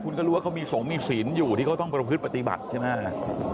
คุณก็รู้ว่าเขามีสงฆ์มีศีลอยู่ที่เขาต้องประพฤติปฏิบัติใช่ไหม